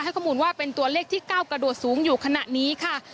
ข้อมูลว่าเป็นตัวเลขที่ก้าวกระโดดสูงอยู่ขณะนี้ค่ะ